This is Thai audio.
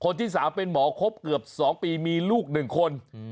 คนที่สามเป็นหมอคบเกือบสองปีมีลูกหนึ่งคนอืม